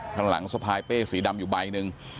ข้างหลังสะพายเป้สีดำอยู่ใบหนึ่ง